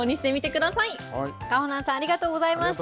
かほなんさん、ありがとうごありがとうございました。